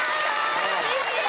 うれしい！